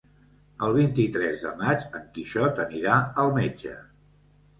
El vint-i-tres de maig en Quixot anirà al metge.